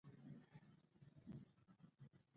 بازار سوړ دی؛ کار نشته.